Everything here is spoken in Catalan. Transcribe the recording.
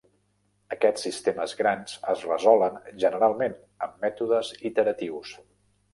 Aquests sistemes grans es resolen generalment amb mètodes iteratius.